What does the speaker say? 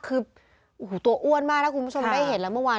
คือโอ้โหตัวอ้วนมากถ้าคุณผู้ชมได้เห็นแล้วเมื่อวาน